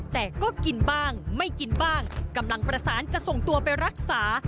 แต่ก็กินบ้างไม่กินบ้างกำลังประสานจะส่งตัวไปรักษา